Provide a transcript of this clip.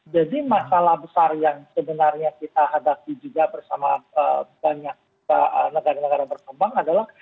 jadi masalah besar yang sebenarnya kita hadapi juga bersama banyak negara negara berkembang adalah